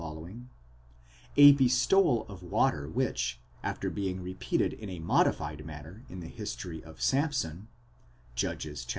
—a bestowal of water which, after being repeated in a modified manner in the history of Samson {Judges xv.